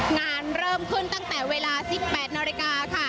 งานเริ่มขึ้นตั้งแต่เวลา๑๘นาฬิกาค่ะ